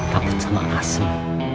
takut sama asem